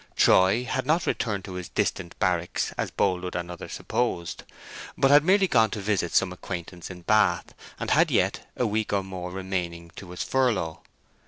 Troy had not returned to his distant barracks as Boldwood and others supposed, but had merely gone to visit some acquaintance in Bath, and had yet a week or more remaining to his furlough.